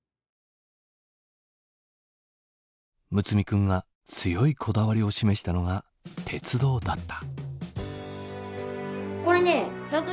睦弥君が強いこだわりを示したのが鉄道だった。